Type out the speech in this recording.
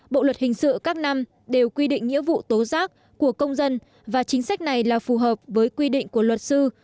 bộ luật hình sự các năm đều quy định nghĩa vụ tố giác của công dân và chính sách này là phù hợp với quy định của luật sư